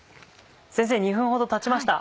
先生２分ほどたちました。